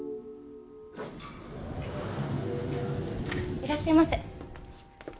いらっしゃいませ。